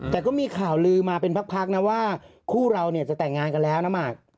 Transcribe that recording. แต่ก็มีข่าวลือมาเป็นพักนะว่าคู่เราเนี่ยจะแต่งงานกันแล้วนะหมาก